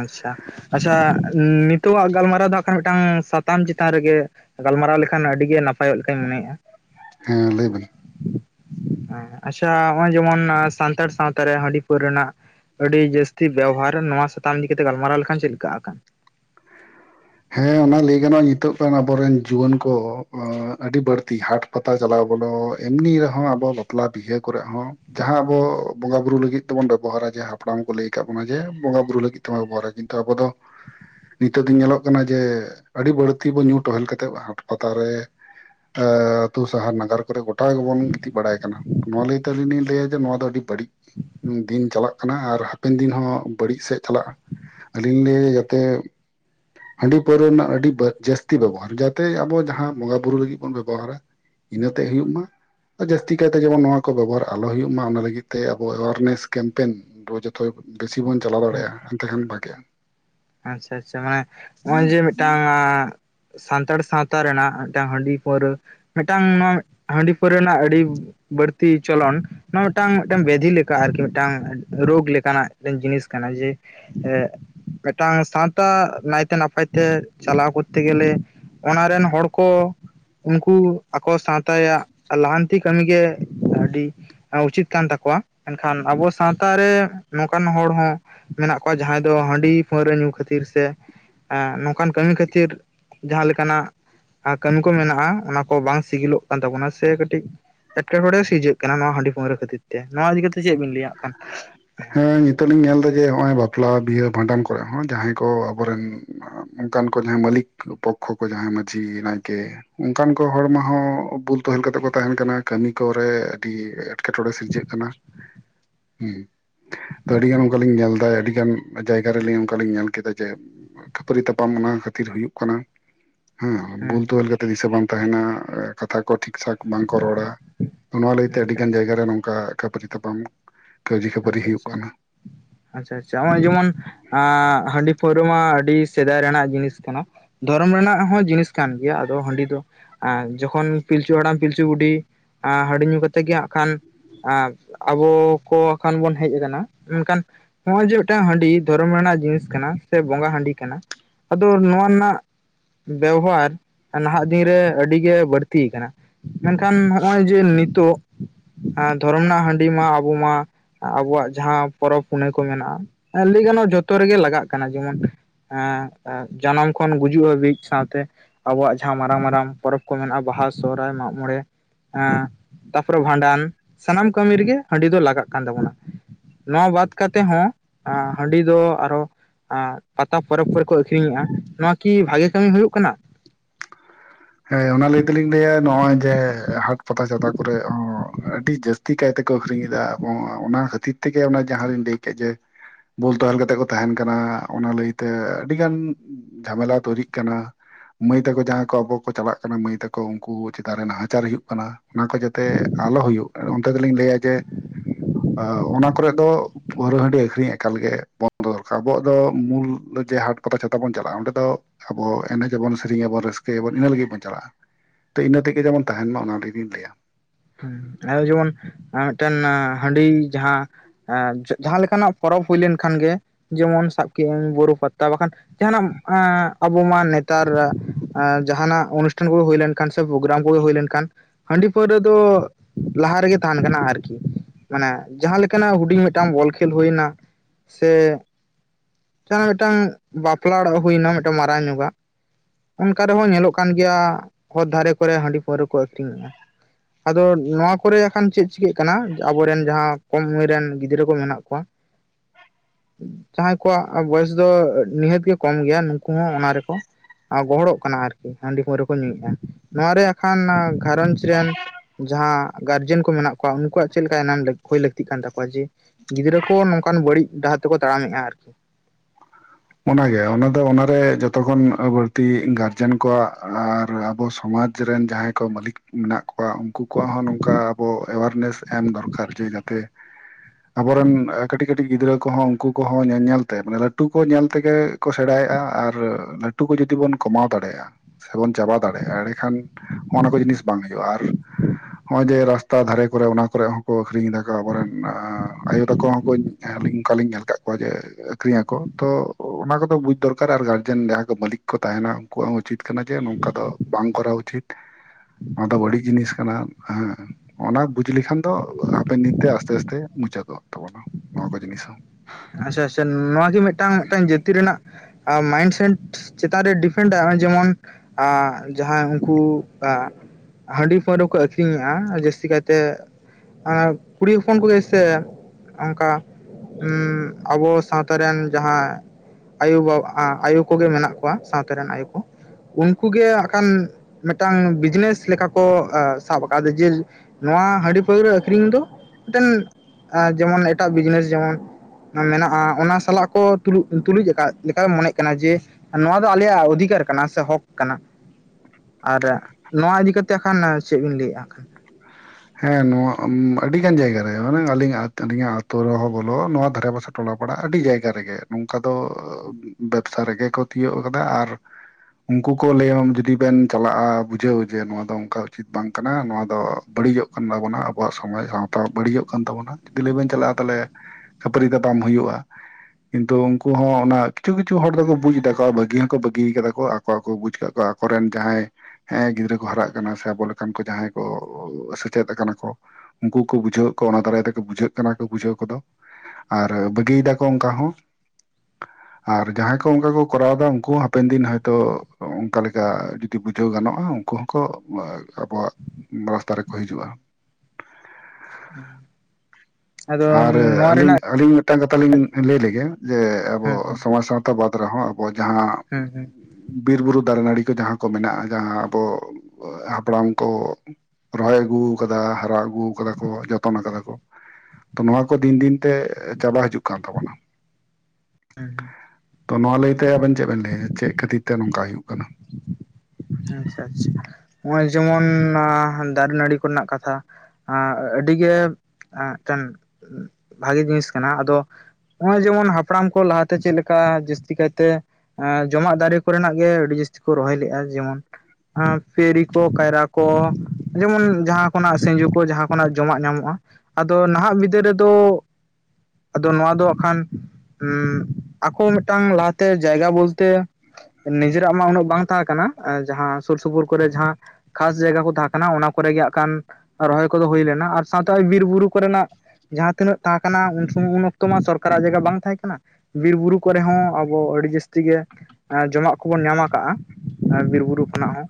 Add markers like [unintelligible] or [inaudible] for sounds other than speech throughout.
ᱟᱪᱪᱷᱟ ᱟᱪᱪᱷᱟᱼ ᱱᱤᱛᱚᱜᱼᱟ ᱜᱟᱞᱢᱟᱨᱟᱣ ᱫᱚ ᱦᱟᱜ ᱢᱤᱫᱴᱟᱝ ᱥᱟᱛᱟᱢ ᱪᱮᱛᱟᱱ ᱨᱮᱜᱮ ᱜᱟᱞᱢᱟᱨᱟᱣ ᱞᱮᱠᱷᱟᱱ ᱟᱹᱰᱤᱜᱮ ᱱᱟᱯᱟᱭᱚᱜ ᱞᱮᱠᱟᱧ ᱢᱚᱱᱮᱜᱼᱟ ᱦᱮᱸ ᱞᱟᱹᱭᱵᱤᱱ [unintelligible] ᱦᱮᱸ ᱟᱪᱪᱷᱟ ᱱᱚᱜ ᱚᱭ ᱡᱮᱢᱚᱱ ᱥᱟᱱᱛᱟᱲ ᱥᱟᱶᱛᱟᱮ ᱦᱟᱺᱰᱤ ᱯᱟᱹᱣᱨᱟᱹ ᱨᱮᱱᱟᱜ ᱟᱹᱰᱤ ᱡᱟᱹᱥᱛᱤ ᱵᱮᱣᱦᱟᱨ ᱨᱮ ᱱᱚᱣᱟ ᱥᱟᱛᱟᱢ ᱤᱫᱤ ᱠᱟᱛᱮᱫ ᱜᱟᱞᱢᱟᱨᱟᱣ ᱞᱮᱠᱷᱟᱱ ᱪᱮᱫ ᱞᱮᱠᱟᱜᱼᱟ ᱦᱮᱸ ᱚᱱᱟ ᱞᱟᱹᱭ ᱜᱟᱱᱚᱜᱼᱟ ᱱᱤᱛᱚᱜ ᱠᱟᱱ ᱟᱵᱚᱨᱮᱱ ᱡᱩᱣᱟᱹᱱ ᱠᱚ ᱟᱹᱰᱤ ᱵᱟᱹᱲᱛᱤ ᱦᱟᱴ ᱯᱟᱛᱟ ᱪᱟᱞᱟᱣ ᱵᱚᱞᱚ ᱮᱢᱱᱤ ᱨᱮᱦᱚᱸ ᱟᱵᱚ ᱵᱟᱯᱞᱟ ᱵᱤᱦᱟᱹ ᱠᱚᱨᱮ ᱦᱚᱸ ᱡᱟᱦᱟᱸ ᱟᱵᱚ ᱵᱚᱸᱜᱟ ᱵᱩᱨᱩ ᱞᱟᱹᱜᱤᱫ ᱛᱮᱵᱚᱱ ᱵᱮᱵᱚᱦᱟᱨᱟ ᱡᱮ ᱦᱟᱯᱲᱟᱢ ᱠᱚ ᱞᱟᱹᱭ ᱟᱠᱟᱫ ᱵᱚᱱᱟ ᱡᱮ ᱵᱚᱸᱜᱟ ᱵᱩᱨᱩ ᱞᱟᱹᱜᱤᱫ ᱦᱚᱵᱚᱨᱟ ᱠᱤᱱᱛᱩ ᱟᱵᱚ ᱫᱚ ᱱᱤᱛᱚᱜ ᱫᱚᱧ ᱧᱮᱞᱚᱜ ᱠᱟᱱᱟ ᱠᱟᱱᱟ ᱡᱮ ᱟᱹᱰᱤ ᱵᱟᱹᱲᱛᱤ ᱵᱚᱱ ᱧᱩ ᱴᱚᱦᱮᱞ ᱠᱟᱛᱮ ᱦᱟᱴ ᱯᱟᱛᱟᱨ ᱨᱮ ᱟᱛᱩ ᱥᱟᱦᱟᱨ ᱱᱟᱜᱟᱨ ᱠᱚᱨᱮ ᱜᱚᱴᱟ ᱜᱮᱵᱚᱱ ᱜᱤᱛᱤᱡ ᱵᱟᱲᱟᱭ ᱠᱟᱱᱟ ᱱᱚᱣᱟ ᱞᱟᱹᱭ ᱛᱮᱞᱤᱧ ᱞᱤᱧ ᱞᱟᱹᱭᱟ ᱡᱮ ᱱᱚᱣᱟ ᱫᱚ ᱟᱹᱰᱤ ᱵᱟᱹᱲᱤᱡ ᱫᱤᱱ ᱪᱟᱞᱟᱜ ᱠᱟᱱᱟ ᱟᱨ ᱦᱟᱯᱮᱱ ᱫᱤᱱ ᱦᱚᱸ ᱵᱟᱹᱲᱤᱡ ᱥᱮᱫ ᱪᱟᱞᱟᱜᱼᱟ ᱟᱹᱞᱤᱧ ᱞᱟᱹᱭ ᱡᱟᱛᱮ ᱦᱟᱺᱰᱤ ᱯᱟᱹᱣᱨᱟᱹ ᱨᱮᱱᱟᱜ ᱟᱹᱰᱤ ᱡᱟᱹᱥᱛᱤ ᱵᱮᱵᱚᱦᱟᱨ ᱡᱟᱛᱮ ᱟᱵᱚ ᱡᱟᱦᱟᱸ ᱵᱚᱸᱜᱟ ᱵᱩᱨᱩ ᱞᱟᱹᱜᱤᱫ ᱵᱚᱱ ᱵᱮᱵᱚᱦᱟᱨᱟ ᱤᱱᱟᱹᱛᱮ ᱦᱩᱭᱩᱜ ᱢᱟ ᱡᱟᱹᱥᱛᱤ ᱠᱟᱭᱛᱮ ᱡᱮᱢᱚᱱ ᱱᱚᱣᱟ ᱠᱚ ᱵᱮᱵᱚᱦᱟᱨ ᱟᱞᱚ ᱦᱩᱭᱩᱜ ᱢᱟ ᱚᱱᱟ ᱞᱟᱹᱜᱤᱫ ᱛᱮ ᱟᱵᱚ ᱮᱣᱟᱨᱱᱮᱥ ᱠᱮᱢᱯᱮᱱ ᱵᱮᱥᱤ ᱵᱚᱱ ᱪᱟᱞᱟᱣ ᱦᱮᱸ ᱫᱟᱲᱮᱭᱟᱜᱼᱟ ᱮᱱᱛᱮ ᱠᱷᱟᱱ ᱵᱷᱟᱜᱤᱼᱟ ᱟᱪᱪᱷᱟ ᱟᱪᱪᱷᱟ ᱢᱟᱱᱮ ᱱᱚᱜᱼᱚᱭ ᱡᱮ ᱢᱤᱫᱴᱟᱝ ᱥᱟᱱᱛᱟᱲ ᱥᱟᱶᱛᱟ ᱨᱮᱱᱟᱜ ᱢᱤᱫᱴᱟᱝ ᱦᱟᱺᱰᱤ ᱯᱟᱹᱣᱨᱟᱹ ᱢᱤᱫᱴᱟᱝ ᱱᱚᱣᱟ ᱦᱟᱺᱰᱤ ᱯᱟᱹᱣᱨᱟᱹ ᱨᱮᱱᱟᱜ ᱟᱹᱰᱤ ᱵᱟᱹᱲᱛᱤ ᱪᱚᱞᱚᱱ ᱱᱚᱣᱟ ᱢᱤᱫᱴᱟᱝ ᱢᱤᱫᱴᱟᱝ ᱵᱮᱫᱷᱤ ᱞᱮᱠᱟ ᱟᱨᱠᱤ ᱢᱤᱫᱴᱟᱝ ᱨᱳᱜᱽ ᱞᱮᱠᱟᱱᱟᱜ ᱢᱤᱫᱴᱟᱝ ᱡᱤᱱᱤᱥ ᱠᱟᱱᱟ ᱡᱮ ᱦᱮᱸ ᱢᱤᱫᱴᱟᱝ ᱥᱟᱶᱛᱟ ᱱᱟᱭᱛᱮ ᱱᱟᱯᱟᱭ ᱛᱮ ᱪᱟᱞᱟᱣ ᱠᱚᱨᱛᱮ ᱜᱮᱞᱮ ᱚᱱᱟ ᱨᱮᱱ ᱦᱚᱲ ᱠᱚ ᱩᱱᱠᱩ ᱟᱠᱚ ᱥᱟᱶᱛᱟ ᱨᱮᱭᱟᱜ ᱞᱟᱦᱟᱱᱛᱤ ᱠᱟᱹᱢᱤᱜᱮ ᱟᱹᱰᱤ ᱩᱪᱤᱛ ᱠᱟᱱ ᱛᱟᱠᱚᱣᱟ ᱮᱠᱷᱟᱱ ᱟᱵᱚ ᱥᱟᱶᱛᱟ ᱨᱮ ᱱᱚᱝᱠᱟᱱ ᱦᱚᱲ ᱦᱚᱸ ᱢᱮᱱᱟᱜ ᱠᱚᱣᱟ ᱡᱟᱦᱟᱸᱭ ᱫᱚ ᱦᱟᱺᱰᱤ ᱯᱟᱣᱨᱟᱹ ᱧᱩ ᱠᱷᱟᱹᱛᱤᱨ ᱥᱮ ᱱᱚᱝᱠᱟᱱ ᱠᱟᱹᱢᱤ ᱠᱷᱟᱹᱛᱤᱨ ᱡᱟᱦᱟᱸ ᱞᱮᱠᱟᱱᱟᱜ ᱠᱟᱹᱢᱤ ᱠᱚ ᱢᱮᱱᱟᱜᱼᱟ ᱚᱱᱟ ᱠᱚ ᱵᱟᱝ ᱥᱤᱜᱤᱞᱚᱜ ᱠᱟᱱ ᱛᱟᱵᱚᱱᱟ ᱥᱮ ᱠᱟᱹᱴᱤᱡ ᱮᱠᱨᱮᱦᱚᱬᱮ ᱥᱤᱨᱤᱡᱟᱹᱜ ᱠᱟᱱᱟ ᱱᱚᱣᱟ ᱦᱟᱺᱰᱤ ᱯᱟᱹᱣᱨᱟᱹ ᱠᱷᱟᱹᱛᱤᱨ ᱛᱮ ᱱᱚᱣᱟ ᱤᱫᱤ ᱠᱟᱛᱮ ᱪᱮᱫ ᱵᱤᱱ ᱞᱟᱹᱭᱟ ᱠᱷᱟᱱ ᱦᱮᱸ ᱱᱤᱛᱚᱜ ᱤᱧ ᱧᱮᱞ ᱮᱫᱟ ᱡᱮ ᱱᱚᱜ ᱚᱭ ᱵᱟᱯᱞᱟ ᱵᱤᱦᱟᱹ ᱵᱷᱟᱸᱰᱟᱱ ᱠᱚᱨᱮᱜ ᱦᱚᱸ ᱡᱟᱦᱟᱸᱭ ᱠᱚ ᱟᱵᱚᱨᱮᱱ ᱚᱱᱠᱟᱱ ᱠᱚ ᱡᱟᱦᱟᱸ ᱢᱟᱹᱞᱤᱠ ᱯᱚᱠᱠᱷᱚ ᱠᱚ ᱡᱟᱦᱟᱸ ᱢᱺᱡᱷᱤ ᱱᱟᱭᱠᱮ ᱚᱱᱠᱟᱱ ᱠᱚ ᱦᱚᱲᱢᱟᱦᱚ ᱵᱩᱞ ᱛᱚᱦᱮᱞ ᱠᱟᱛᱮᱜ ᱠᱚ ᱛᱟᱦᱮᱱ ᱠᱟᱱᱟ ᱠᱟᱹᱢᱤ ᱠᱚᱨᱮ ᱟᱹᱰᱤ ᱮᱴᱠᱮᱴᱚᱬᱮ ᱥᱤᱨᱡᱟᱹᱜ ᱠᱟᱱᱟ ᱦᱮᱸ ᱛᱚ ᱟᱹᱰᱤᱜᱟᱱ ᱚᱱᱠᱟᱞᱤᱧ ᱧᱮᱞ ᱫᱟ ᱟᱹᱰᱤᱜᱟᱱ ᱡᱟᱭᱜᱟ ᱨᱮᱞᱤ ᱚᱱᱠᱟᱞᱤᱧ ᱧᱮᱞ ᱠᱮᱫᱟ ᱡᱮ ᱠᱷᱟᱹᱯᱟᱹᱨᱤ ᱛᱟᱯᱟᱢ ᱚᱱᱟ ᱠᱷᱟᱹᱛᱤᱨ ᱦᱩᱭᱩᱜ ᱠᱟᱱᱟ ᱦᱮᱸ ᱵᱩᱞ ᱛᱩᱦᱮᱞ ᱠᱟᱛᱮ ᱫᱤᱥᱟᱹ ᱵᱟᱝ ᱛᱟᱦᱮᱱᱟ ᱠᱟᱛᱷᱟ ᱠᱚ ᱴᱷᱤᱠ ᱴᱷᱟᱠ ᱵᱟᱝᱠᱚ ᱨᱚᱲᱟ ᱱᱚᱣᱟ ᱞᱟᱹᱭᱛᱮ ᱦᱮᱸ ᱟᱹᱰᱤ ᱟᱪᱪᱷᱟ ᱜᱟᱱ ᱡᱟᱭᱜᱟ ᱟᱪᱪᱷᱟ ᱨᱮ ᱱᱚᱝᱠᱟ ᱠᱷᱯᱟᱹᱨᱤ ᱛᱟᱯᱟᱢ ᱠᱟᱹᱣᱡᱤ ᱠᱷᱟᱹᱯᱟᱹᱨᱤ ᱟᱪᱪᱷᱟ ᱦᱩᱭᱩᱜ ᱟᱪᱪᱷᱟ ᱠᱟᱱᱟ ᱟᱪᱪᱷᱟ ᱟᱪᱪᱷᱟ ᱡᱮᱢᱚᱱ ᱦᱟᱺᱰᱤ ᱯᱟᱹᱣᱨᱟᱹ ᱢᱟ ᱟᱹᱰᱤ ᱥᱮᱫᱟᱭ ᱨᱮᱱᱟᱜ ᱡᱤᱱᱤᱥ ᱠᱟᱱᱟ ᱫᱷᱚᱨᱚᱢ ᱨᱮᱱᱟᱜ ᱦᱚᱸ ᱡᱤᱱᱤᱥ ᱠᱟᱱ ᱜᱮᱭᱟ ᱟᱫᱚ ᱦᱟᱺᱰᱤ ᱫᱚ ᱟᱨ ᱡᱚᱠᱷᱚᱱ ᱯᱤᱞᱪᱩ ᱦᱟᱲᱟᱢ ᱯᱤᱞᱪᱩ ᱵᱩᱰᱷᱤ ᱮ ᱦᱟᱺᱰᱤ ᱧᱩ ᱠᱟᱛᱮᱫ ᱜᱮ ᱦᱟᱸᱜ ᱠᱷᱟᱱ ᱟᱵᱚ ᱠᱚ ᱮᱠᱷᱚᱱ ᱵᱚᱱ ᱦᱮᱡ ᱟᱠᱟᱱᱟ ᱢᱮᱱᱠᱷᱟᱱ ᱱᱚᱜ ᱚᱭ ᱡᱮ ᱢᱤᱫᱴᱟᱝ ᱦᱟᱺᱰᱤ ᱫᱷᱚᱨᱚᱢ ᱨᱮᱱᱟᱜ ᱡᱤᱱᱤᱥ ᱠᱟᱱᱟ ᱥᱮ ᱵᱚᱸᱜᱟ ᱦᱟᱺᱰᱤ ᱠᱟᱱᱟ ᱟᱫᱚ ᱱᱚᱣᱟ ᱨᱮᱱᱟᱜ ᱵᱮᱣᱦᱟᱨ ᱱᱟᱦᱟᱜ ᱫᱤᱱᱨᱮ ᱟᱹᱰᱤᱜᱮ ᱵᱟᱹᱲᱛᱤ ᱞᱟᱹᱠᱛᱤ ᱠᱟᱱᱟ ᱢᱮᱱᱠᱷᱟᱱ ᱱᱚᱜᱼᱚᱭ ᱡᱮ ᱱᱤᱛᱚᱜ ᱟᱨ ᱫᱷᱚᱨᱚᱢ ᱨᱮᱱᱟᱜ ᱦᱟᱺᱰᱤ ᱢᱟ ᱟᱵᱚ ᱢᱟ ᱟᱵᱚᱣᱟᱜ ᱡᱟᱦᱟᱸ ᱯᱚᱨᱚᱵᱽ ᱯᱚᱱᱮ ᱠᱚ ᱢᱮᱱᱟᱜᱼᱟ ᱞᱟᱹᱭ ᱜᱟᱱᱚᱜ ᱡᱚᱛᱚ ᱨᱮᱜᱮ ᱞᱟᱜᱟᱜ ᱠᱟᱱᱟ ᱡᱮᱢᱚᱱ ᱦᱮᱸ ᱡᱟᱱᱟᱢ ᱠᱷᱚᱱ ᱜᱩᱡᱩᱜ ᱦᱟᱹᱵᱤᱡ ᱥᱟᱶᱛᱮ ᱟᱵᱩᱣᱟᱜ ᱡᱟᱦᱟᱸ ᱢᱟᱨᱟᱝ ᱢᱟᱨᱟᱝ ᱯᱚᱨᱚᱵᱽ ᱠᱚ ᱢᱮᱱᱟᱜᱼᱟ ᱵᱟᱦᱟ ᱥᱚᱦᱨᱟᱭ ᱢᱟᱜ ᱢᱚᱬᱮ ᱮᱸ ᱛᱟᱨᱯᱚᱨᱮ ᱵᱷᱟᱸᱰᱟᱱ ᱥᱟᱱᱟᱢ ᱠᱟᱹᱢᱤ ᱨᱮᱜᱮ ᱦᱟᱺᱰᱤ ᱫᱚ ᱞᱟᱜᱟᱜ ᱠᱟᱱ ᱛᱟᱵᱳᱱᱟ ᱱᱚᱣᱟ ᱵᱟᱫ ᱠᱟᱛᱮ ᱦᱚᱸ ᱦᱟᱺᱰᱤ ᱫᱚ ᱟᱨᱚ ᱟᱨ ᱯᱟᱛᱟ ᱯᱚᱨᱚᱵ ᱠᱚᱨᱮ ᱠᱚ ᱟᱹᱠᱷᱨᱤᱧᱮᱫᱼᱟ ᱱᱚᱶᱟ ᱠᱤ ᱵᱷᱟᱜᱤ ᱠᱟᱹᱢᱤ ᱦᱩᱭᱩᱜ ᱠᱟᱱᱟ ᱦᱮᱸ ᱚᱱᱟ ᱞᱟᱹᱭ ᱛᱮᱞᱤᱧ ᱞᱟᱹᱭᱟ ᱱᱚᱜᱼᱚᱭ ᱡᱮ ᱦᱟᱴ ᱯᱟᱛᱟ ᱪᱟᱛᱟ ᱠᱚᱨᱮ ᱦᱚᱸ ᱟᱹᱰᱤ ᱡᱟᱹᱥᱛᱤ ᱠᱟᱭᱛᱮᱠᱚ ᱟᱹᱠᱷᱨᱤᱧᱮᱫᱟ ᱮᱵᱚᱝ ᱚᱱᱟ ᱠᱷᱟᱹᱛᱤᱨ ᱛᱮᱜᱮ ᱚᱱᱟ ᱡᱟᱦᱟᱸᱞᱤᱧ ᱞᱟᱹᱭ ᱠᱮᱫ ᱡᱮ ᱵᱳᱞ ᱛᱟᱞ ᱠᱟᱛᱮᱫ ᱠᱚ ᱛᱟᱦᱮᱱ ᱠᱟᱱᱟ ᱚᱱᱟ ᱞᱟᱹᱭᱛᱮ ᱟᱹᱰᱤ ᱜᱟᱱ ᱡᱷᱟᱢᱮᱞᱟ ᱛᱩᱭᱨᱤᱜ ᱠᱟᱱᱟ ᱢᱟᱹᱭ ᱛᱟᱠᱚ ᱡᱟᱦᱟᱸ ᱠᱚ ᱟᱵᱚ ᱠᱚ ᱪᱟᱞᱟᱜ ᱠᱟᱱᱟ ᱢᱟᱹᱭ ᱛᱟᱠᱚ ᱩᱱᱠᱩ ᱪᱮᱛᱟᱱ ᱨᱮ ᱱᱟᱦᱟᱪᱟᱨ ᱦᱩᱭᱩᱜ ᱠᱟᱱᱟ ᱚᱱᱟ ᱠᱚ ᱡᱟᱛᱮ ᱟᱞᱚ ᱦᱩᱭᱩᱜ ᱚᱱᱛᱮ ᱫᱚᱞᱤᱧ ᱞᱟᱹᱭᱟ ᱡᱮ ᱚᱱᱟ ᱠᱚᱨᱮ ᱫᱚ ᱯᱟᱹᱣᱨᱟᱹ ᱦᱟᱺᱰᱤ ᱟᱹᱠᱷᱨᱤᱧ ᱮᱠᱟᱞᱜᱮ ᱵᱚᱱᱫᱚ ᱫᱚᱨᱠᱟᱨ ᱟᱵᱚᱣᱟᱜ ᱫᱚ ᱢᱩᱞ ᱡᱮ ᱦᱟᱴ ᱯᱟᱛᱟ ᱪᱷᱟᱛᱟ ᱵᱚᱱ ᱪᱟᱞᱟᱜᱼᱟ ᱚᱸᱰᱮ ᱫᱚ ᱟᱵᱚ ᱮᱱᱮᱡ ᱟᱵᱚᱱ ᱥᱮᱨᱮᱧ ᱟᱵᱚᱱ ᱨᱟᱹᱥᱠᱟᱹᱭᱟ ᱵᱚᱱ ᱤᱱᱟᱹ ᱞᱟᱹᱜᱤᱫ ᱵᱚᱱ ᱪᱟᱞᱟᱜᱼᱟ ᱛᱚ ᱤᱱᱟᱹ ᱛᱮᱜᱮ ᱡᱮᱢᱚᱱ ᱛᱟᱦᱮᱱ ᱢᱟ ᱚᱱᱟ ᱞᱟᱹᱜᱤᱫᱤᱧ ᱞᱟᱹᱭᱟ ᱦᱮᱸ ᱟᱨᱚ ᱡᱮᱢᱚᱱ ᱢᱤᱫᱴᱮᱱ ᱦᱟᱺᱰᱤ ᱡᱟᱦᱟᱸ ᱡᱟᱦᱟᱸ ᱞᱮᱠᱟᱱᱟᱜ ᱯᱚᱨᱚᱵᱽ ᱦᱩᱭ ᱞᱮᱱᱠᱷᱟᱱ ᱜᱮ ᱡᱮᱢᱚᱱ ᱥᱟᱵ ᱠᱮᱫᱟᱹᱧ ᱵᱩᱨᱩ ᱯᱟᱛᱟ ᱵᱟᱠᱷᱟᱱ ᱡᱟᱦᱱᱟᱜ ᱟᱵᱚ ᱢᱟ ᱱᱮᱛᱟᱨ ᱡᱟᱦᱟᱱᱟᱜ ᱚᱱᱩᱥᱴᱷᱟᱱ ᱠᱚ ᱦᱩᱭ ᱞᱮᱱ ᱥᱮ ᱯᱨᱳᱜᱨᱟᱢ ᱠᱚᱜ ᱦᱩᱭ ᱞᱮᱱᱠᱷᱟᱱ ᱦᱟᱺᱰᱤ ᱯᱟᱹᱣᱨᱟᱹ ᱫᱚ ᱞᱟᱦᱟ ᱨᱮᱜᱮ ᱛᱟᱦᱮᱱ ᱠᱟᱱᱟ ᱟᱨᱠᱤ ᱢᱟᱱᱮ ᱡᱟᱦᱟᱸ ᱞᱮᱠᱟᱱᱟᱜ ᱦᱩᱰᱤᱧ ᱢᱤᱫᱴᱟᱝ ᱵᱚᱞ ᱠᱷᱮᱞ ᱦᱩᱭ ᱮᱱᱟ ᱥᱮ ᱡᱟᱦᱟ ᱱᱟᱜ ᱢᱤᱫᱴᱟᱝ ᱵᱟᱯᱞᱟ ᱚᱲᱟᱜ ᱦᱩᱭᱱᱟ ᱢᱤᱫᱴᱟᱝ ᱢᱟᱨᱟᱝ ᱧᱚᱜᱟᱜ ᱚᱱᱠᱟ ᱨᱮᱦᱚᱸ ᱧᱮᱞᱚᱜ ᱠᱟᱱ ᱜᱮᱭᱟ ᱦᱚᱨ ᱫᱷᱟᱨᱮ ᱠᱚᱨᱮ ᱦᱟᱺᱰᱤ ᱯᱟᱹᱣᱨᱟᱹ ᱠᱚ ᱟᱠᱷᱨᱤᱧᱮᱫᱼᱟ ᱟᱫᱚ ᱱᱚᱣᱟ ᱠᱚᱨᱮᱠᱷᱟᱱ ᱪᱮᱫ ᱪᱤᱠᱟᱹᱜ ᱠᱟᱱᱟ ᱟᱵᱚᱨᱮᱱ ᱡᱟᱦᱟᱸ ᱠᱚᱢ ᱩᱢᱮᱨ ᱨᱮᱱ ᱜᱤᱫᱽᱨᱟᱹ ᱠᱚ ᱢᱮᱱᱟᱜ ᱠᱚᱣᱟ ᱡᱟᱦᱟᱸᱭ ᱠᱚᱣᱟᱜ ᱵᱚᱭᱮᱥ ᱫᱚ ᱱᱤᱦᱟᱹᱛ ᱜᱮ ᱠᱚᱢ ᱜᱮᱭᱟ ᱱᱩᱠᱩ ᱦᱚᱸ ᱚᱱᱟ ᱨᱮᱠᱚ ᱜᱚᱦᱚᱲᱚᱜ ᱠᱟᱱᱟ ᱟᱨᱠᱤ ᱦᱟᱺᱰᱤ ᱯᱟᱹᱣᱨᱟᱹ ᱠᱚ ᱧᱩᱭᱮᱫᱼᱟ ᱱᱚᱣᱟ ᱨᱮᱭᱟᱜ ᱠᱷᱟᱱ ᱜᱷᱟᱨᱚᱸᱡᱽ ᱨᱮᱱ ᱡᱟᱦᱟᱸ ᱜᱟᱨᱡᱮᱱ ᱠᱚ ᱢᱮᱱᱟᱜ ᱠᱚᱣᱟ ᱩᱱᱠᱩᱣᱟᱜ ᱪᱮᱫ ᱞᱮᱠᱟ ᱮᱢ ᱦᱩᱭ ᱞᱟᱹᱠᱛᱤᱜ ᱠᱟᱱ ᱛᱟᱠᱚᱣᱟ ᱡᱮ ᱜᱤᱫᱽᱨᱟᱹ ᱠᱚ ᱱᱚᱝᱠᱟᱱ ᱵᱟᱹᱲᱤᱡ ᱰᱟᱦᱟᱨ ᱛᱮᱠᱚ ᱛᱟᱲᱟᱢᱮᱫᱼᱟ ᱟᱨᱠᱤ ᱚᱱᱟᱜᱮ ᱚᱱᱟ ᱫᱚ ᱚᱱᱟᱨᱮ ᱡᱚᱛᱚᱠᱷᱚᱱ ᱵᱟᱹᱲᱛᱤ ᱜᱟᱨᱡᱮᱱ ᱠᱚᱣᱟᱜ ᱟᱨ ᱟᱵᱚ ᱥᱚᱢᱟᱡᱽ ᱨᱮᱱ ᱡᱟᱦᱟᱸᱭ ᱠᱚ ᱢᱟᱹᱞᱤᱠ ᱢᱮᱱᱟᱜ ᱠᱚᱣᱟ ᱩᱱᱠᱩ ᱠᱚᱣᱟᱜ ᱦᱚᱸ ᱱᱚᱝᱠᱟ ᱟᱵᱚ ᱮᱣᱟᱨᱱᱮᱥ ᱮᱢ ᱫᱚᱨᱠᱟᱨ ᱡᱮ ᱡᱟᱛᱮ ᱟᱵᱚᱨᱮᱱ ᱠᱟᱹᱴᱤᱡ ᱠᱟᱹᱴᱤᱡ ᱜᱤᱫᱽᱨᱟᱹ ᱠᱚᱦᱚᱸ ᱩᱱᱠᱩ ᱠᱚᱦᱚᱸ ᱧᱮ ᱧᱮᱞᱛᱮ ᱢᱟᱱᱮ ᱞᱟᱹᱴᱩ ᱠᱚ ᱧᱮᱞᱛᱮ ᱛᱮᱜᱮ ᱠᱚ ᱥᱮᱬᱟᱭᱮᱜᱼᱟ ᱟᱨ ᱞᱟᱹᱴᱩ ᱠᱚ ᱡᱩᱫᱤ ᱵᱚᱱ ᱠᱚᱢᱟᱣ ᱫᱟᱲᱮᱭᱟᱜᱼᱟ ᱥᱮᱵᱚᱱ ᱪᱟᱵᱟ ᱫᱟᱲᱮᱭᱟᱜᱼᱟ ᱮᱸᱰᱮᱠᱷᱟᱱ ᱦᱚᱸᱜᱼ ᱱᱚᱣᱟ ᱠᱚ ᱡᱤᱱᱤᱥ ᱵᱟᱝ ᱦᱩᱭᱩᱜᱼᱟ ᱟᱨ ᱦᱚᱸᱜᱼᱚᱭ ᱡᱮ ᱨᱟᱥᱛᱟ ᱫᱷᱟᱨᱮ ᱠᱚᱨᱮ ᱚᱱᱟ ᱠᱚᱨᱮ ᱦᱚᱸᱠᱚ ᱟᱠᱷᱨᱤᱧ ᱫᱟ ᱠᱚ ᱟᱵᱚᱨᱮᱱ ᱟᱭᱳ ᱛᱟᱠᱚ ᱦᱚᱸᱠᱚ ᱟᱞᱤᱧ ᱚᱱᱠᱟᱞᱤᱧ ᱧᱮᱞ ᱟᱠᱟᱫ ᱠᱚᱣᱟ ᱡᱮ ᱟᱹᱠᱷᱨᱤᱧ ᱟᱠᱚ ᱛᱚ ᱚᱱᱟ ᱠᱚᱫᱚ ᱵᱩᱡ ᱫᱚᱨᱠᱟᱨ ᱟᱨ ᱜᱟᱨᱡᱮᱱ ᱡᱟᱦᱟᱸ ᱠᱚ ᱢᱟᱞᱤᱠ ᱠᱚ ᱛᱟᱦᱮᱱᱟ ᱩᱱᱠᱩᱣᱟᱜ ᱦᱚᱸ ᱩᱪᱤᱛ ᱠᱟᱱᱟ ᱡᱮ ᱱᱚᱝᱠᱟ ᱫᱚ ᱵᱟᱝ ᱠᱚᱨᱟᱣ ᱩᱪᱤᱛ ᱱᱚᱣᱟ ᱫᱚ ᱵᱟᱹᱲᱤᱡ ᱡᱤᱱᱤᱥ ᱠᱟᱱᱟ ᱦᱮᱸ ᱚᱱᱟ ᱵᱩᱡ ᱞᱮᱠᱷᱟᱱ ᱫᱚ ᱦᱟᱯᱮᱱ ᱫᱤᱱᱛᱮ ᱟᱥᱛᱮ ᱟᱥᱛᱮ ᱢᱩᱪᱟᱹᱫᱚᱜ ᱛᱟᱵᱚᱱᱟ ᱱᱚᱣᱟ ᱠᱚ ᱡᱤᱱᱤᱥ ᱦᱚᱸ ᱟᱪᱪᱷᱟ ᱟᱪᱪᱷᱟ ᱱᱚᱣᱟᱜᱤ ᱢᱤᱫᱴᱟᱝ ᱢᱤᱫᱴᱟᱝ ᱡᱟᱹᱛᱤ ᱨᱮᱱᱟᱜ ᱢᱟᱭᱤᱱᱰᱥᱮᱴ ᱪᱮᱛᱟᱱᱨᱮ ᱰᱤᱯᱮᱱᱰ ᱟᱭ ᱦᱚᱸᱜᱼᱚᱭ ᱡᱮᱢᱚᱱ ᱡᱟᱦᱟᱸᱭ ᱩᱱᱠᱩ ᱦᱟᱺᱰᱤ ᱯᱟᱹᱣᱨᱟᱹ ᱠᱚ ᱟᱹᱠᱷᱨᱤᱧᱮᱫᱼᱟ ᱡᱟᱹᱥᱛᱤ ᱠᱟᱭᱛᱮ ᱟᱨ ᱠᱩᱲᱤ ᱦᱚᱯᱚᱱ ᱠᱚᱜᱮ ᱥᱮ ᱚᱱᱠᱟ ᱩᱸ ᱟᱵᱚ ᱥᱟᱶᱛᱟ ᱨᱮᱱ ᱡᱟᱦᱟᱸ ᱟᱭᱳᱼᱵᱟᱵᱟ ᱟᱭᱳ ᱠᱚᱜᱮ ᱢᱮᱱᱟᱜ ᱠᱚᱣᱟ ᱥᱟᱶᱛᱮ ᱨᱮᱱ ᱟᱭᱳ ᱠᱚ ᱩᱱᱠᱩᱩᱜ ᱜᱮ ᱟᱠᱟᱷᱟᱱ ᱢᱤᱫᱴᱟᱝ ᱵᱤᱡᱽᱱᱮᱥ ᱞᱮᱠᱟ ᱠᱚ ᱥᱟᱵ ᱟᱠᱟᱫᱟ ᱡᱮ ᱱᱚᱣᱟ ᱦᱟᱺᱰᱤ ᱯᱟᱹᱣᱨᱟᱹ ᱟᱹᱠᱷᱨᱤᱧ ᱫᱚ ᱢᱤᱫᱴᱮᱱ ᱡᱮᱢᱚᱱ ᱮᱴᱟᱜ ᱵᱤᱡᱽᱱᱮᱥ ᱡᱮᱢᱚᱱ ᱢᱮᱱᱟᱜᱼᱟ ᱚᱱᱟ ᱥᱟᱞᱟᱜ ᱠᱚ ᱛᱩᱞᱩᱡ ᱟᱠᱟᱫ ᱞᱮᱠᱟ ᱢᱚᱱᱮᱜ ᱠᱟᱱᱟ ᱡᱮ ᱱᱚᱣᱟ ᱫᱚ ᱟᱞᱮᱭᱟᱜ ᱚᱫᱷᱤᱠᱟᱨ ᱠᱟᱱᱟ ᱥᱮ ᱦᱚᱠ ᱠᱟᱱᱟ᱾ ᱟᱨ ᱱᱚᱣᱟ ᱤᱫᱤ ᱠᱟᱛᱮ ᱠᱷᱟᱱ ᱪᱮᱫ ᱵᱤᱱ ᱞᱟᱹᱭ ᱮᱜᱼᱟ ᱾ ᱦᱮᱸ ᱱᱚᱣᱟ ᱟᱹᱰᱤ ᱜᱟᱱ ᱡᱟᱭᱜᱟ ᱨᱮ ᱢᱟᱱᱮ ᱟᱹᱞᱤᱧᱟᱜ, ᱟᱹᱞᱤᱧᱟᱜ ᱟᱛᱳ ᱨᱮᱦᱚᱸ ᱵᱚᱞᱚ ᱱᱚᱣᱟ ᱫᱷᱟᱨᱮ ᱯᱟᱥᱮ ᱴᱚᱞᱟ ᱯᱟᱲᱟ ᱟᱹᱰᱤ ᱡᱟᱭᱜᱟ ᱨᱮᱜᱮ ᱱᱚᱝᱠᱟ ᱫᱚ ᱵᱮᱵᱥᱟ ᱨᱮᱜᱮ ᱠᱚ ᱛᱤᱭᱳᱜ ᱠᱟᱫᱟ ᱟᱨ ᱩᱱᱠᱩ ᱠᱚ ᱞᱟᱹᱭᱼᱟ ᱩᱱ [inaudible] ᱡᱩᱫᱤ ᱵᱮᱱ ᱪᱟᱞᱟᱜᱼᱟ ᱵᱩᱡᱷᱟᱹᱣ ᱡᱮ ᱱᱚᱣᱟ ᱫᱚ ᱚᱱᱠᱟ ᱩᱪᱤᱛ ᱵᱟᱝ ᱠᱟᱱᱟ᱾ ᱱᱚᱣᱟ ᱫᱚ ᱵᱟᱹᱲᱤᱡᱚᱜ ᱠᱟᱱ ᱛᱟᱵᱚᱱᱟ ᱟᱵᱚᱣᱟᱜ ᱥᱚᱢᱟᱡᱽ ᱥᱟᱶᱛᱟ ᱾ᱵᱟᱹᱲᱤᱡᱚᱜ ᱠᱟᱱ ᱛᱟᱵᱚᱱᱟ ᱡᱩᱫᱤ ᱞᱟᱹᱭ ᱵᱮᱱ ᱪᱟᱞᱟᱜᱼᱟ ᱛᱟᱦᱞᱮ ᱠᱷᱟᱹᱯᱟᱹᱨᱤ ᱛᱟᱛᱟᱢ ᱦᱳᱭᱳᱜᱼᱟ᱾ ᱠᱤᱱᱛᱩ ᱩᱱᱠᱩ ᱦᱚᱸ ᱚᱱᱟ ᱠᱤᱪᱷᱩ ᱠᱤᱪᱷᱩ ᱦᱚᱲ ᱫᱚᱠᱚ ᱵᱩᱡ ᱫᱟᱠᱚ ᱵᱟᱹᱜᱤ ᱦᱚᱸᱠᱚ ᱵᱟᱹᱜᱤ ᱠᱟᱫᱟ ᱠᱚ ᱚᱠᱟ ᱠᱚ ᱵᱩᱡᱷ ᱠᱟᱜ ᱠᱚᱣᱟ ᱟᱠᱚᱨᱮᱱ ᱡᱟᱦᱟᱸᱭ ᱦᱮᱜ ᱮ ᱜᱤᱫᱽᱨᱟᱹ ᱠᱚ ᱦᱟᱨᱟᱜ ᱠᱟᱱᱟ ᱥᱮ ᱟᱵᱚ ᱞᱮᱠᱟᱱ ᱠᱚ ᱡᱟᱦᱟᱸᱭ ᱠᱚ ᱥᱮᱪᱮᱫ ᱠᱟᱱᱟ ᱠᱚ ᱩᱱᱠᱩ ᱠᱚ ᱵᱩᱡᱷᱟᱹᱣ ᱮᱫ ᱠᱚᱣᱟ᱾ ᱚᱱᱟ ᱫᱟᱨᱟᱭ ᱛᱮᱠᱚ ᱵᱩᱡᱷᱟᱹᱜ ᱠᱟᱱᱟ ᱠᱚ ᱵᱩᱡᱷᱟᱹᱣ ᱠᱚᱫᱚ᱾ ᱟᱨ ᱵᱟᱹᱜᱤᱭ ᱫᱟᱠᱚ ᱚᱱᱠᱟ ᱦᱚᱸ ᱟᱨ ᱡᱟᱦᱟᱸᱭ ᱠᱚ ᱚᱱᱠᱟ ᱠᱚ ᱠᱚᱨᱟᱣ ᱮᱫᱟ ᱩᱱᱠᱩ ᱦᱚᱸ ᱦᱟᱯᱮᱱ ᱫᱤᱱ ᱦᱚᱭᱛᱚ, ᱚᱱᱠᱟ ᱞᱮᱠᱟ ᱡᱩᱫᱤ ᱵᱩᱡᱷᱟᱹᱣ ᱜᱟᱱᱚᱜᱼᱟ ᱾ᱩᱱᱠᱩ ᱦᱚᱸ ᱠᱚ ᱟᱵᱚᱣᱟᱜ ᱨᱟᱥᱛᱟ ᱨᱮᱠᱚ ᱦᱤᱡᱩᱜᱼᱟ᱾ ᱦᱩᱸ ᱟᱨ ᱟᱹᱞᱤᱧ, ᱟᱹᱞᱤᱧ ᱢᱤᱫᱴᱟᱝ ᱠᱟᱛᱷᱟ ᱞᱤᱧ ᱞᱟᱹᱭ ᱞᱮᱜᱮ ᱡᱮ ᱟᱵᱚ ᱦᱩᱸ ᱥᱚᱢᱟᱡᱽ [unintelligible] ᱛᱚ ᱵᱟᱫᱽ ᱨᱮᱦᱚᱸ ᱟᱵᱚ ᱡᱟᱦᱟᱸ ᱦᱩ ᱦᱩ ᱵᱤᱨ ᱵᱩᱨᱩ ᱫᱟᱨᱮ ᱱᱟᱹᱲᱤ ᱠᱚ ᱡᱟᱦᱟᱸ ᱠᱚ ᱢᱮᱱᱟᱜᱼᱟ᱾ ᱡᱟᱦᱟᱸ ᱟᱵᱚ ᱦᱟᱯᱲᱟᱢ ᱠᱚ ᱨᱚᱦᱚᱭ ᱟᱹᱜᱩ ᱠᱟᱫᱟ, ᱦᱟᱨᱟ ᱟᱹᱜᱩ ᱠᱟᱫᱟ ᱠᱚ ᱡᱚᱛᱚᱱ ᱠᱟᱫᱟ ᱠᱚ ᱛᱚ ᱱᱚᱣᱟ ᱠᱚ ᱫᱤᱱ ᱫᱤᱱ ᱛᱮ ᱪᱟᱵᱟ ᱦᱤᱡᱩᱜ ᱠᱟᱱ ᱛᱟᱵᱚᱱᱟ᱾ ᱦᱮᱸ ᱛᱚ ᱱᱚᱣᱟ ᱞᱟᱹᱭᱛᱮ ᱟᱵᱮᱱ ᱪᱮᱫ ᱵᱮᱱ ᱞᱟᱹᱭᱼᱟ ᱾ᱪᱮᱫ ᱠᱷᱟᱹᱛᱤᱨ ᱛᱮ ᱱᱚᱝᱠᱟ ᱦᱩᱭᱩᱜ ᱠᱟᱱᱟ᱾ ᱟᱪᱪᱷᱟ ᱟᱪᱪᱷᱟ ᱦᱚᱜᱼᱚᱭ ᱡᱮᱢᱚᱱ ᱫᱟᱨᱮ ᱱᱟᱹᱲᱤ ᱠᱚ ᱨᱮᱱᱟᱜ ᱠᱟᱛᱷᱟ᱾ ᱮᱸ ᱟᱹᱰᱤᱜᱮ ᱢᱮᱫᱴᱮᱱ ᱵᱷᱟᱜᱮ ᱡᱤᱱᱤᱥ ᱠᱟᱱᱟ ᱟᱫᱚ ᱦᱚᱜ-ᱚᱭ ᱡᱮᱢᱚᱱ ᱦᱟᱯᱲᱟᱢ ᱠᱚ ᱞᱟᱦᱟᱛᱮ ᱪᱮᱫ ᱞᱮᱠᱟ ᱡᱟᱹᱥᱛᱤ ᱠᱟᱭᱛᱮ ᱮ ᱡᱚᱢᱟᱜ ᱫᱟᱨᱮ ᱠᱚ ᱨᱮᱱᱟᱜ ᱜᱮ ᱟᱹᱰᱤ ᱡᱟᱹᱥᱛᱤ ᱠᱚ ᱨᱚᱦᱚᱭ ᱞᱮᱜᱼᱟ ᱡᱮᱢᱚᱱ ᱮᱸ ᱯᱷᱮᱨᱤ ᱠᱚ, ᱠᱟᱭᱨᱟ ᱠᱚ ᱡᱮᱢᱚᱱ ᱡᱟᱦᱟᱸ ᱠᱷᱚᱱᱟᱜ ᱥᱮᱧᱡᱳ ᱠᱚ ᱡᱟᱦᱟᱸ ᱠᱷᱚᱱᱟᱜ ᱡᱚᱢᱟᱜ ᱧᱟᱢᱚᱜᱼᱟ᱾ ᱟᱫᱚ ᱱᱟᱦᱟᱜ ᱵᱤᱫᱟᱹᱞ ᱨᱮᱫᱚ, ᱟᱫᱚ ᱱᱚᱣᱟ ᱫᱚ ᱦᱟᱸᱜ ᱠᱷᱟᱱ ᱩᱸᱜ ᱟᱠᱚ ᱢᱮᱫᱴᱟᱝ ᱞᱟᱦᱟᱛᱮ ᱡᱟᱭᱜᱟ ᱵᱚᱞᱛᱮ ᱱᱤᱡᱮᱨᱟᱜ ᱢᱟ ᱩᱱᱟᱹᱜ ᱵᱟᱝ ᱛᱟᱦᱮᱸ ᱠᱟᱱᱟ ᱡᱟᱦᱟᱸ ᱥᱳᱨ ᱥᱳᱯᱚᱨ ᱠᱚᱨᱮ ᱡᱟᱦᱟᱸ ᱠᱷᱟᱥ ᱡᱟᱭᱜᱟ ᱠᱚ ᱛᱟᱦᱮᱸ ᱠᱟᱱᱟ ᱾ᱚᱱᱟ ᱠᱚᱨᱮ ᱜᱮ ᱦᱟᱸᱜ ᱠᱷᱟᱱ ᱨᱚᱦᱚᱭ ᱠᱚᱫᱚ ᱦᱳᱭ ᱞᱮᱱᱟ ᱟᱨ ᱥᱟᱶᱛᱮ ᱵᱤᱨ ᱵᱩᱨᱩ ᱠᱚ ᱨᱮᱱᱟᱜ ᱡᱟᱦᱟᱸ ᱛᱤᱱᱟᱹᱜ ᱛᱟᱦᱮᱸ ᱠᱟᱱᱟ ᱩᱱ, ᱩᱱ ᱚᱠᱛᱚ ᱢᱟ ᱥᱚᱨᱠᱟᱨᱟᱜ ᱡᱟᱭᱜᱟ ᱵᱟᱝ ᱛᱟᱦᱮᱸ ᱠᱟᱱᱟ᱾ ᱵᱤᱨ ᱵᱩᱨᱩ ᱠᱚᱨᱮ ᱦᱚᱸ ᱟᱵᱚ ᱟᱹᱰᱤ ᱡᱟᱹᱥᱛᱤ ᱜᱮ ᱡᱚᱢᱟᱜ ᱠᱚᱵᱚᱱ ᱧᱟᱢ ᱠᱟᱜᱼᱟ᱾ ᱟᱨ ᱵᱤᱨ ᱵᱩᱨᱩ ᱠᱷᱚᱱᱟᱜ ᱦᱚᱸ᱾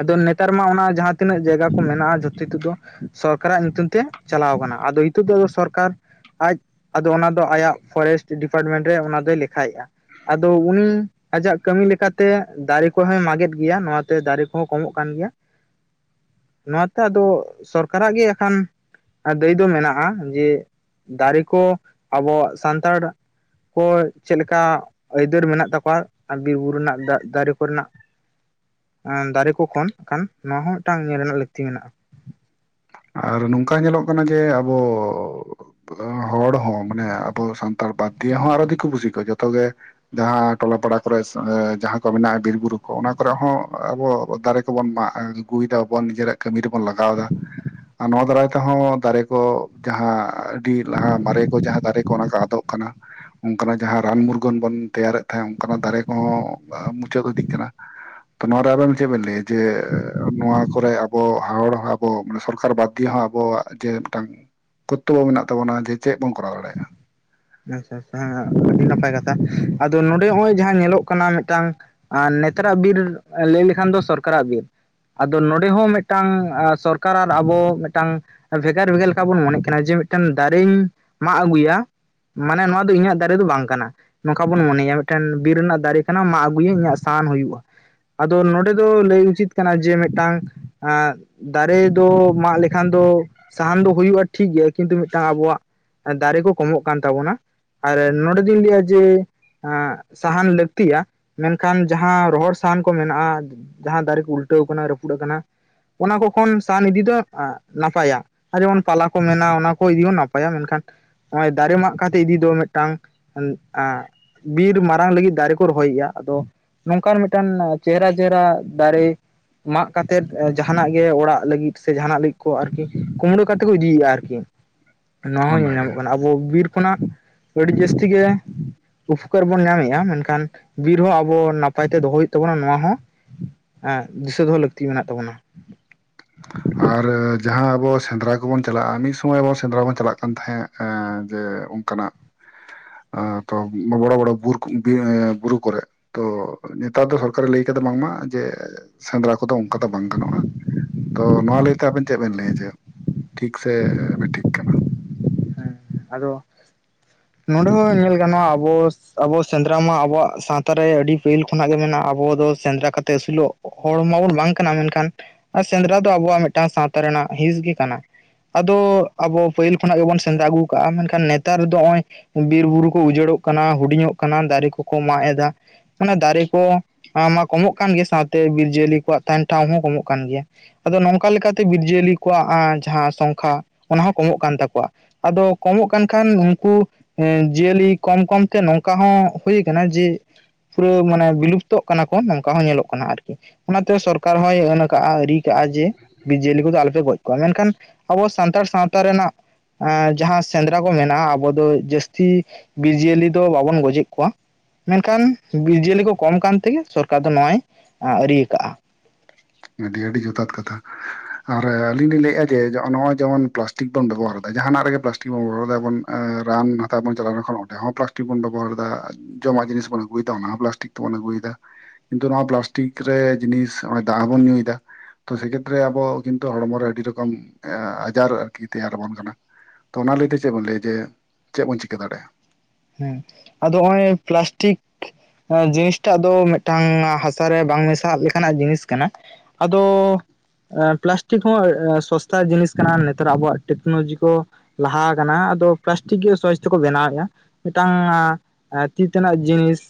ᱟᱫᱚ ᱱᱮᱛᱟᱨ ᱢᱟ ᱚᱱᱟ ᱡᱟᱦᱟᱸ ᱛᱤᱱᱟᱹᱜ ᱡᱟᱭᱜᱟ ᱠᱚ ᱢᱮᱱᱟᱜᱼᱟ ᱡᱚᱛᱚ ᱦᱤᱛᱳᱜ ᱫᱚ ᱥᱚᱨᱠᱟᱨᱟᱜ ᱧᱩᱛᱩᱢ ᱛᱮ ᱪᱟᱞᱟᱣ ᱠᱟᱱᱟ᱾ ᱟᱫᱚ ᱦᱤᱛᱚᱜ ᱫᱚ ᱥᱚᱨᱠᱟᱨ ᱟᱡ ᱟᱫᱚ ᱚᱱᱟ ᱫᱚ ᱟᱭᱟᱜ ᱯᱷᱚᱨᱮᱥᱴ ᱰᱤᱯᱟᱨᱴᱢᱮᱱᱴ ᱨᱮ ᱚᱱᱟ ᱫᱚᱭ ᱞᱮᱠᱷᱟᱭᱮᱜᱼᱟ᱾ ᱟᱫᱚ ᱩᱱ ᱟᱡᱟᱜ ᱠᱟᱹᱢᱤ ᱞᱮᱠᱟᱛᱮ ᱫᱟᱨᱮ ᱠᱚᱦᱚᱭ ᱢᱟᱜ ᱮᱫ ᱜᱮᱭᱟ᱾ ᱱᱚᱣᱟᱛᱮ ᱫᱟᱨᱮ ᱠᱚᱦᱚᱸ ᱠᱚᱢᱚᱜ ᱠᱟᱱ ᱜᱮᱭᱟ᱾ ᱱᱚᱣᱟᱛᱮ ᱟᱫᱚ ᱥᱚᱨᱠᱟᱨᱟᱜ ᱜᱮ ᱮᱠᱷᱟᱱ ᱫᱟᱹᱭ ᱫᱚ ᱢᱮᱱᱟᱜᱼᱟ᱾ ᱡᱮ ᱫᱟᱨᱮ ᱠᱚ ᱟᱵᱚᱣᱟᱜ ᱥᱟᱱᱛᱟᱲ ᱠᱚ ᱪᱮᱫ ᱞᱮᱠᱟ ᱟᱹᱭᱫᱟᱹᱨ ᱢᱮᱱᱟᱜ ᱛᱟᱠᱚᱣᱟ ᱟᱨ ᱵᱤᱨ ᱵᱩᱨᱩ ᱨᱮᱱᱟᱜ ᱫᱟᱨᱮ ᱠᱚ ᱨᱮᱱᱟᱜ᱾ ᱮᱸ ᱫᱟᱨᱮ ᱠᱚ ᱠᱷᱚᱱ ᱟᱠᱷᱟᱱ᱾ ᱱᱚᱣᱟ ᱦᱚᱸ ᱢᱮᱫᱴᱟᱝ ᱧᱮᱞ ᱨᱮᱱᱟᱜ ᱞᱟᱹᱠᱛᱤ ᱢᱮᱱᱟᱜᱼᱟ᱾ ᱟᱨ ᱱᱚᱝᱠᱟ ᱧᱮᱞᱚᱜ ᱠᱟᱱᱟ ᱡᱮ ᱟᱵᱚ ᱦᱚᱲ ᱦᱚᱸ ᱢᱟᱱᱮ ᱟᱵᱚ ᱥᱟᱱᱛᱟᱲ ᱵᱟᱫᱽ ᱫᱤᱭᱮ ᱦᱚᱸ ᱟᱨᱚ ᱫᱤᱠᱩ ᱯᱩᱥᱤ ᱠᱚ ᱡᱚᱛᱚ ᱜᱮ ᱡᱟᱦᱟᱸ ᱴᱚᱞᱟ ᱯᱟᱲᱟ ᱠᱚᱨᱮᱜ ᱡᱟᱦᱟᱸ ᱠᱚ ᱢᱮᱱᱟᱜᱼᱟ ᱵᱤᱨ ᱵᱩᱨᱩ ᱠᱚ ᱚᱱᱟ ᱠᱚᱨᱮᱜ ᱦᱚᱸ ᱟᱵᱚ ᱫᱟᱨᱮ [unintelligible] ᱢᱟᱜ ᱟᱹᱜᱩᱭ ᱫᱟᱵᱚᱱ ᱱᱤᱡᱮᱨᱟᱜ ᱠᱟᱹᱢᱤ ᱨᱮᱵᱚᱱ ᱞᱟᱜᱟᱣ ᱫᱟ᱾ ᱟᱨ ᱱᱚᱣᱟ ᱫᱟᱨᱟᱭ ᱛᱮᱦᱚᱸ ᱫᱟᱨᱮ ᱠᱚ ᱡᱟᱦᱟᱸ ᱟᱹᱰᱤ ᱞᱟᱦᱟ ᱢᱟᱨᱮ ᱠᱚ ᱡᱟᱦᱟᱸ ᱫᱟᱨᱮ ᱠᱚ ᱚᱱᱟ ᱠᱚ ᱟᱫᱚᱜ ᱠᱟᱱᱟ᱾ ᱚᱱᱠᱟᱱᱟᱜ ᱡᱟᱦᱟᱸ ᱨᱟᱱ ᱢᱩᱨᱜᱟᱹᱱ ᱵᱚᱱ ᱛᱮᱭᱟᱨᱮᱫ ᱛᱟᱦᱮᱸᱜ ᱚᱱᱠᱟᱱᱟᱜ ᱫᱟᱨᱮ ᱠᱚᱦᱚᱸ ᱢᱩᱪᱟᱹᱫ ᱤᱫᱤᱜ ᱠᱟᱱᱟ᱾ ᱛᱚ ᱱᱚᱣᱟ ᱨᱮ ᱟᱵᱮᱱ ᱪᱮᱫ ᱵᱮᱱ ᱞᱟᱹᱭᱼᱟ᱾ ᱡᱮ ᱱᱚᱣᱟ ᱠᱚᱨᱮ ᱟᱵᱚ ᱦᱚᱲ ᱟᱵᱚ ᱥᱚᱨᱠᱟᱨ ᱵᱟᱛ [unintelligible] ᱫᱤᱭᱮ ᱦᱚᱸ ᱟᱵᱚᱣᱟᱜ ᱡᱮ ᱢᱤᱴᱟᱝ ᱠᱚᱛᱛᱚᱵᱚ ᱢᱮᱱᱟᱜ ᱛᱟᱵᱚᱱᱟ ᱡᱮ ᱪᱮᱜ ᱵᱚᱱ ᱠᱚᱨᱟᱣ ᱫᱟᱲᱮᱜᱼᱟ? ᱟᱪᱪᱷᱟ ᱟᱪᱪᱷᱟ ᱦᱮᱸ ᱟᱹᱰᱤ ᱱᱟᱯᱟᱭ ᱠᱟᱛᱷᱟ ᱟᱫᱚ ᱱᱚᱰᱮ ᱦᱚᱸᱜᱼᱚᱭ ᱡᱟᱦᱟᱸ ᱧᱮᱞᱚᱜ ᱠᱟᱱᱟ ᱢᱮᱫᱴᱟᱝ ᱟᱨ ᱱᱮᱛᱟᱨᱟᱜ ᱵᱤᱨ ᱞᱟᱹᱭ ᱞᱮᱠᱷᱟᱱ ᱫᱚ ᱥᱚᱨᱠᱟᱨᱟᱜ ᱵᱤᱨ᱾ ᱟᱫᱚ ᱱᱚᱰᱮ ᱦᱚᱸ ᱢᱤᱜᱴᱟᱝ ᱥᱚᱨᱠᱟᱨ ᱟᱨ ᱟᱵᱚ ᱢᱤᱜᱴᱟᱝ ᱵᱷᱮᱜᱟᱨ ᱵᱷᱮᱜᱟᱨ ᱞᱮᱠᱟ ᱵᱚᱱ ᱢᱚᱱᱮᱜ ᱠᱟᱱᱟ ᱡᱮ ᱢᱤᱜᱴᱮᱝ ᱫᱟᱨᱤᱧ ᱢᱟᱜ ᱟᱹᱜᱩᱭᱟ᱾ ᱢᱟᱱᱮ ᱱᱚᱣᱟ ᱫᱚ ᱤᱧᱟᱹᱜ ᱫᱟᱨᱮ ᱫᱚ ᱵᱟᱝ ᱠᱟᱱᱟ᱾ ᱱᱚᱝᱠᱟ ᱵᱚᱱ ᱢᱚᱱᱮᱭᱟ ᱢᱤᱜᱴᱮᱱ ᱵᱤᱨ ᱨᱮᱱᱟᱜ ᱫᱟᱨᱮ ᱠᱟᱱᱟ ᱢᱟᱜ ᱟᱹᱜᱩᱭᱟᱹᱧ ᱤᱧᱟᱹᱜ ᱥᱟᱦᱟᱱ ᱦᱩᱭᱩᱜᱼᱟ᱾ ᱟᱫᱚ ᱱᱚᱸᱰᱮ ᱫᱚ ᱞᱟᱹᱭ ᱩᱪᱤᱛ ᱠᱟᱱᱟ ᱡᱮ ᱢᱤᱜᱴᱟᱝ ᱟᱸᱜ ᱫᱟᱨᱮ ᱫᱚ ᱢᱟᱜ ᱞᱮᱠᱷᱟᱱ ᱫᱚ ᱥᱟᱦᱟᱱ ᱫᱚ ᱦᱩᱭᱩᱜᱼᱟ ᱴᱷᱤᱠ ᱜᱮᱭ, ᱠᱤᱱᱛᱩ ᱢᱤᱜᱴᱟᱝ ᱟᱵᱚᱣᱟᱜ ᱫᱟᱨᱮ ᱠᱚ ᱠᱚᱢᱚᱜ ᱠᱟᱱ ᱛᱟᱵᱚᱱᱟ ᱟᱨ ᱱᱚᱸᱰᱮ ᱫᱚᱧ ᱞᱟᱹᱭᱟ ᱡᱮ, ᱟᱸᱜ ᱥᱟᱦᱟᱱ ᱞᱟᱹᱠᱛᱤᱭᱟ, ᱢᱮᱱᱠᱷᱟᱱ ᱡᱟᱦᱟᱸᱟᱸ ᱨᱚᱦᱚᱲ ᱥᱟᱦᱟᱱ ᱠᱚ ᱢᱮᱱᱟᱜᱼᱟ, ᱡᱟᱦᱟᱸ ᱫᱟᱨᱮ ᱠᱚ ᱩᱞᱴᱟᱹᱣ ᱠᱟᱱᱟ, ᱨᱟᱹᱯᱩᱫ ᱠᱟᱱᱟ, ᱚᱱᱟ ᱠᱚ ᱠᱷᱚᱱ ᱥᱟᱦᱟᱱ ᱤᱫᱤ ᱫᱚ ᱱᱟᱯᱟᱭᱟ᱾ ᱟᱨ ᱡᱮᱢᱚᱱ ᱯᱟᱞᱟ ᱠᱚ ᱢᱮᱱᱟᱜᱼᱟ ᱚᱱᱟ ᱠᱚ ᱤᱫᱤ ᱦᱚᱸ ᱱᱟᱯᱟᱭᱟ᱾ ᱢᱮᱱᱠᱷᱟᱱ ᱱᱚᱜᱼᱚᱭ ᱫᱟᱨᱮ ᱢᱟᱜ ᱠᱟᱛᱮᱜ ᱤᱫᱤ ᱫᱚ ᱢᱤᱫᱴᱟᱝ ᱮᱸᱜ ᱵᱤᱨ ᱢᱟᱨᱟᱝ ᱞᱟᱹᱜᱤᱫ ᱫᱟᱨᱮ ᱠᱚ ᱨᱚᱦᱚᱭ ᱜᱮᱭᱟ᱾ ᱟᱫᱚ ᱱᱚᱝᱠᱟᱱ ᱢᱤᱴᱟᱝ ᱪᱮᱦᱨᱟ ᱪᱮᱦᱨᱟ ᱫᱟᱨᱮ ᱢᱟᱜ ᱠᱟᱛᱮᱫ ᱡᱟᱦᱟᱱᱟᱜ ᱜᱮ ᱚᱲᱟᱜ ᱞᱟᱹᱜᱤᱫ ᱥᱮ ᱡᱟᱦᱟᱱᱟᱜ ᱞᱟᱹᱜᱤᱫ ᱠᱚ ᱟᱨᱠᱤ ᱠᱩᱢᱲᱟᱹ ᱠᱟᱛᱮᱜ ᱠᱚ ᱤᱫᱤᱭᱮᱜᱼᱟ ᱟᱨᱠᱤ᱾ ᱱᱚᱣᱟ ᱦᱚᱸ ᱧᱮᱞ ᱚᱱᱟᱜᱮ ᱧᱟᱢᱚᱜ ᱠᱟᱱᱟ ᱟᱵᱚ ᱵᱤᱨ ᱠᱷᱚᱱᱟᱜ ᱟᱹᱰᱤ ᱡᱟᱹᱥᱛᱤ ᱜᱮ ᱩᱯᱚᱠᱟᱨ ᱵᱚᱱ ᱧᱟᱢᱮᱜᱼᱟ᱾ ᱢᱮᱱᱠᱷᱟᱱ ᱵᱤᱨ ᱦᱚᱸ ᱟᱵᱚ ᱱᱟᱯᱟᱭ ᱛᱮ ᱫᱚᱦᱚ ᱦᱩᱭᱩᱜ ᱛᱟᱵᱚᱱᱟ, ᱱᱚᱣᱟ ᱦᱚᱸ ᱮᱸᱜ ᱫᱤᱥᱟᱹ ᱫᱚᱦᱚ ᱞᱟᱹᱠᱛᱤ ᱢᱮᱱᱟᱜ ᱛᱟᱵᱚᱱᱟ᱾ ᱟᱨ ᱡᱟᱦᱟᱸ ᱟᱵᱚ ᱥᱮᱸᱫᱽᱨᱟ ᱠᱚᱵᱚᱱ ᱪᱟᱞᱟᱜᱼᱟ, ᱢᱤᱜ ᱥᱚᱢᱚᱭ ᱟᱵᱚ ᱥᱮᱸᱫᱽᱨᱟ ᱵᱚᱱ ᱪᱟᱞᱟᱜ ᱠᱟᱱ ᱛᱟᱦᱮᱸᱜ ᱮᱸ ᱡᱮ ᱚᱝᱠᱟᱱᱟᱜ [inaudible] ᱟᱸ ᱛᱚ ᱵᱚᱲᱚ ᱵᱚᱲᱚ ᱵᱩᱨᱩ ᱮᱸ ᱵᱩᱨᱩ ᱠᱚᱨᱮᱜ᱾ ᱛᱚ ᱱᱮᱛᱟᱨ ᱫᱚ ᱥᱚᱨᱠᱟᱨᱮ ᱞᱟᱹᱭ ᱠᱟᱫᱟ ᱵᱟᱝᱢᱟ ᱡᱮ ᱥᱮᱸᱫᱽᱨᱟ ᱠᱚᱫᱚ ᱚᱝᱠᱟ ᱫᱚ ᱵᱟᱝ ᱜᱟᱱᱚᱜᱼᱟ᱾ ᱛᱚ ᱱᱚᱣᱟ ᱞᱟᱹᱭᱛᱮ ᱟᱵᱮᱱ ᱪᱮᱜ ᱵᱮᱱ ᱞᱟᱹᱭᱟ ᱡᱮ ᱴᱷᱤᱠ ᱥᱮ ᱵᱮ ᱴᱷᱤᱠ ᱠᱟᱱᱟ? ᱦᱮᱸ ᱟᱫᱚ ᱱᱚᱸᱰᱮ ᱦᱚᱸ ᱧᱮᱞ ᱜᱟᱱᱚᱜᱼᱟ, ᱟᱵᱚ ᱟᱵᱚ ᱥᱮᱸᱫᱽᱨᱟ ᱢᱟ ᱟᱵᱚᱣᱟᱜ ᱥᱟᱶᱛᱟᱨᱮ ᱟᱹᱰᱤ ᱯᱟᱹᱦᱤᱞ ᱠᱷᱚᱱᱟᱜ ᱜᱮ ᱢᱮᱱᱟᱜᱼᱟ᱾ ᱟᱵᱚ ᱫᱚ ᱥᱮᱸᱫᱽᱨᱟ ᱠᱟᱛᱮᱜ ᱟᱹᱥᱩᱞᱚᱜ ᱦᱚᱲ ᱢᱟᱵᱚᱱ ᱵᱟᱝ ᱠᱟᱱᱟ᱾ ᱢᱮᱱᱠᱷᱟᱱ ᱥᱮᱸᱫᱽᱨᱟ ᱫᱚ ᱟᱵᱚᱣᱟᱜ ᱢᱤᱫᱴᱟᱱ ᱥᱟᱶᱛᱟ ᱨᱮᱱᱟᱜ ᱦᱤᱸᱥ ᱜᱮ ᱠᱟᱱᱟ᱾ ᱟᱫᱚ ᱟᱵᱚ ᱯᱟᱹᱦᱤᱞ ᱠᱷᱚᱱᱟᱜ ᱜᱮᱵᱚᱱ ᱥᱮᱸᱫᱽᱨᱟ ᱟᱹᱜᱩ ᱠᱟᱜᱼᱟ᱾ ᱢᱮᱱᱠᱷᱟᱱ ᱱᱮᱛᱟᱨ ᱫᱚ ᱱᱚᱜᱼᱚᱭ ᱵᱤᱨᱵᱩᱨᱩ ᱠᱚ ᱩᱡᱟᱹᱲᱚᱜ ᱠᱟᱱᱟ, ᱦᱩᱰᱤᱧᱚᱜ ᱠᱟᱱᱟ, ᱫᱟᱨᱮ ᱠᱚᱠᱚ ᱢᱟᱜ ᱮᱫᱟ᱾ ᱢᱟᱱᱮ ᱫᱟᱨᱮ ᱠᱚ ᱚᱱᱟᱢᱟ ᱠᱚᱢᱚᱜ ᱠᱟᱱ ᱜᱮᱭᱟ, ᱥᱟᱶᱛᱮ ᱵᱤᱨ ᱡᱤᱭᱟᱹᱞᱤ ᱠᱚᱣᱟᱜ ᱛᱟᱦᱮᱱ ᱴᱷᱟᱶ ᱦᱚᱸ ᱠᱚᱢᱚᱜ ᱠᱟᱱ ᱜᱮᱭᱟ᱾ ᱟᱫᱚ ᱱᱚᱝᱠᱟ ᱞᱮᱠᱟᱛᱮ ᱵᱤᱨ ᱡᱤᱭᱟᱹᱞᱤ ᱠᱚᱣᱟᱜ ᱟᱸ ᱡᱟᱦᱟᱸ ᱥᱚᱝᱠᱷᱟ ᱚᱱᱟᱦᱚᱸ ᱠᱚᱢᱚᱜ ᱠᱟᱱ ᱛᱟᱠᱚᱣᱟ᱾ ᱟᱫᱚ ᱠᱚᱢᱚᱜ ᱠᱟᱱ ᱠᱷᱟᱱ ᱩᱝᱠᱩ ᱡᱤᱭᱟᱹᱞᱤ ᱠᱚᱢ ᱠᱚᱢᱛᱮ ᱱᱚᱝᱠᱟ ᱦᱚᱸ ᱦᱩᱭᱩ ᱠᱟᱱᱟ ᱡᱮ ᱯᱩᱨᱟᱹ ᱢᱟᱱᱮ ᱵᱤᱞᱩᱯᱛᱚᱜ ᱠᱟᱱᱟ ᱠᱚ ᱱᱚᱝᱠᱟ ᱦᱚᱸ ᱧᱮᱞᱚᱜ ᱠᱟᱱᱟ ᱟᱨᱠᱤ᱾ ᱚᱱᱟᱛᱮ ᱥᱚᱨᱠᱟᱨ ᱦᱚᱸᱭ ᱟᱹᱱ ᱠᱟᱜᱼᱟ ᱟᱹᱨᱤ ᱠᱟᱜᱼᱟ ᱡᱮ ᱵᱤᱨ ᱡᱤᱭᱟᱹᱞᱤ ᱠᱚᱫᱚ ᱟᱞᱚᱯᱮ ᱜᱚᱡ ᱠᱚᱣᱟ᱾ ᱢᱮᱱᱠᱷᱟᱱ ᱟᱵᱚ ᱥᱟᱱᱛᱟᱲ ᱥᱟᱶᱛᱟ ᱨᱮᱱᱟᱜ ᱮᱸ ᱡᱟᱦᱟᱸ ᱥᱮᱸᱫᱽᱨᱟ ᱠᱚ ᱢᱮᱱᱟᱜᱼᱟ ᱟᱵᱚ ᱫᱚ ᱡᱟᱹᱥᱛᱤ ᱵᱤᱨ ᱡᱤᱭᱟᱹᱞᱤ ᱫᱚ ᱵᱟᱵᱚᱱ ᱜᱚᱡᱮᱜ ᱠᱚᱣᱟ᱾ ᱢᱮᱱᱠᱷᱟᱱ ᱵᱤᱨ ᱡᱤᱭᱟᱹᱞᱤ ᱠᱚ ᱠᱚᱢ ᱠᱟᱱ ᱛᱮᱜᱮ ᱥᱚᱨᱠᱟᱨ ᱫᱚ ᱱᱚᱣᱟᱭ ᱟᱹᱤᱭ ᱠᱟᱜᱼᱟ᱾ ᱟᱹᱰᱤ ᱟᱹᱰᱤ ᱡᱛᱷᱟᱛ ᱠᱟᱛᱷᱟ᱾ ᱟᱨ ᱟᱹᱞᱤᱧ ᱞᱤᱧ ᱞᱟᱹᱭᱮᱜᱼᱟ ᱡᱮ ᱱᱚᱜᱼᱚᱭ ᱡᱮᱢᱚᱱ ᱯᱞᱟᱥᱴᱤᱠ ᱵᱚᱱ ᱵᱮᱵᱚᱦᱟᱨᱫᱟ, ᱡᱟᱦᱟᱱᱟᱜ ᱨᱮᱜᱮ ᱯᱞᱟᱥᱴᱤᱠ ᱵᱚᱱ ᱵᱮᱵᱚᱦᱟᱨ ᱫᱟᱵᱚᱱ, ᱮᱸ ᱨᱟᱱ ᱦᱟᱛᱟᱣ ᱵᱚᱱ ᱪᱟᱞᱟᱣ ᱞᱮᱱᱠᱷᱟᱱ ᱚᱸᱰᱮ ᱦᱚᱸ ᱯᱞᱟᱥᱴᱤᱠ ᱵᱚᱱ ᱵᱮᱵᱚᱦᱟᱨ ᱫᱟ᱾ ᱡᱚᱢᱟᱜ ᱡᱤᱱᱤᱥ ᱵᱚᱱ ᱟᱹᱜᱩᱭᱫᱟ ᱚᱱᱟᱦᱚᱸ ᱯᱞᱟᱥᱴᱤᱠ ᱛᱮᱵᱚᱱ ᱟᱹᱜᱩᱭᱫᱟ᱾ ᱠᱤᱱᱛᱩ ᱱᱚᱣᱟ ᱯᱞᱟᱥᱴᱤᱠ ᱨᱮ ᱡᱤᱱᱤᱥ ᱫᱟᱜ ᱦᱚᱸ ᱵᱚᱱ ᱧᱩᱭᱫᱟ᱾ [unintelligible] ᱛᱚ ᱥᱮ ᱠᱷᱮᱛᱨᱮ ᱟᱵᱚ ᱠᱤᱱᱛᱩ ᱦᱚᱲᱢᱚ ᱨᱮ ᱟᱹᱰᱤ ᱨᱚᱠᱚᱢ ᱮᱸ ᱟᱡᱟᱨ ᱟᱨᱠᱤ ᱛᱮᱭᱟᱨᱟᱵᱚᱱ ᱠᱟᱱᱟ᱾ ᱛᱚ ᱚᱱᱟ ᱞᱟᱹᱭᱛᱮ ᱪᱮᱜ ᱵᱚᱱ ᱞᱟᱹᱭᱟ ᱡᱮ ᱪᱮᱜ ᱵᱚᱱ ᱪᱤᱠᱟᱹ ᱫᱟᱲᱮᱜᱼᱟ? ᱦᱮᱸ ᱟᱫᱚ ᱚᱸᱭ ᱯᱞᱟᱥᱴᱤᱠ ᱡᱤᱱᱤᱥᱴᱟᱜ ᱫᱚ ᱢᱤᱜᱴᱟᱝ ᱦᱟᱥᱟᱨᱮ ᱵᱟᱝ ᱢᱮᱥᱟᱜ ᱞᱮᱠᱟᱱᱟᱜ ᱡᱤᱱᱤᱥ ᱠᱟᱱᱟ᱾ ᱟᱫᱚ ᱮ ᱯᱞᱟᱥᱴᱤᱠ ᱦᱚᱸ ᱥᱚᱥᱛᱟ ᱡᱤᱱᱤᱥ ᱠᱟᱱᱟ ᱱᱮᱛᱟᱨ ᱟᱵᱚᱣᱟᱜ ᱴᱮᱠᱱᱳᱡᱤ ᱠᱚ, ᱞᱟᱦᱟᱣ ᱠᱟᱱᱟ ᱟᱫᱚ ᱯᱞᱟᱥᱴᱤᱠ ᱜᱮ ᱥᱚᱦᱚᱡ ᱛᱮᱠᱚ ᱵᱮᱱᱟᱣᱮᱜᱼᱟ᱾ ᱢᱤᱫᱴᱟᱝ ᱛᱤ ᱛᱮᱱᱟᱜ ᱡᱤᱱᱤᱥ